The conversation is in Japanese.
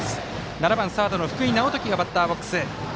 ７番、サードの福井直睦がバッターボックス。